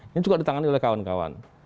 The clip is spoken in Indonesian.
ini juga ditangani oleh kawan kawan